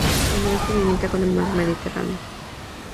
Al oeste limita con el Mar Mediterráneo.